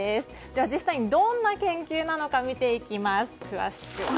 では、実際にどんな研究なのか見ていきます。